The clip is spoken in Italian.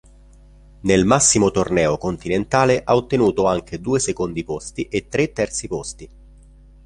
Nel massimo torneo continentale ha ottenuto anche due secondi posti e tre terzi posti.